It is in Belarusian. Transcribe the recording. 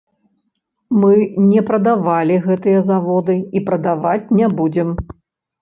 Мы не прадавалі гэтыя заводы і прадаваць не будзем.